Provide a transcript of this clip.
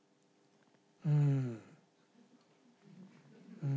うん。